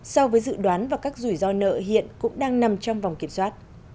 so với dự đoán và các rủi ro nợ hiện cũng đang nằm trong vòng kiểm soát